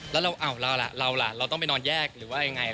แล้วเราล่ะเราล่ะเราต้องไปนอนแยกหรือว่ายังไง